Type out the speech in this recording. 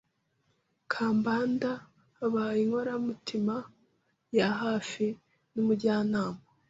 Kambanda abaye inkoramutima ya hafi n’umujyanama